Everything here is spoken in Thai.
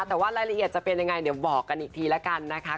แต่ว่ารายละเอียดจะเป็นยังไงเดี๋ยวบอกกันอีกทีแล้วกันนะคะ